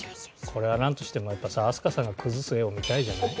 これはなんとしてもやっぱさ飛鳥さんが崩す画を見たいじゃない？